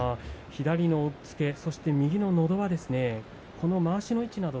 左の押っつけ、そして右ののど輪ですね。